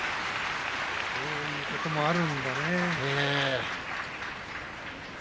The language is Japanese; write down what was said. こういうこともあるんだね。